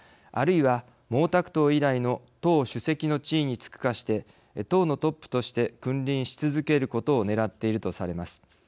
あるいは、毛沢東以来の党主席の地位に就くかして党のトップとして君臨し続けることをねらっているとされます。